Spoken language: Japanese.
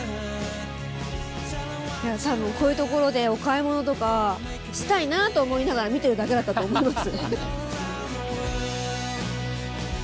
多分こういう所でお買い物とかしたいなと思いながら見てるだけだったと思います。